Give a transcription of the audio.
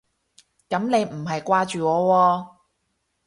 噉你唔係掛住我喎